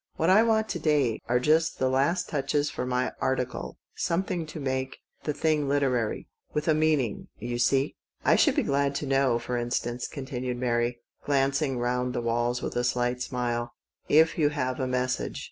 What I want to day is just the last touches for my article — something to make the thing literary, with a meaning, you see. I should be glad to know, for instance," continued Mary, glancing round the walls with a slight smile, " if you have a Message